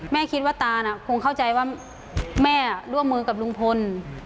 แม่คิดว่าตาน่ะคงเข้าใจว่าแม่ร่วมมือกับลุงพล